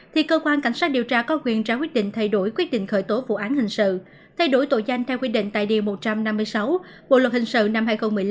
thì cơ quan cảnh sát điều tra có quyền ra quyết định thay đổi quyết định khởi tố vụ án hình sự thay đổi tội danh theo quy định tại điều một trăm năm mươi sáu bộ luật hình sự năm hai nghìn một mươi năm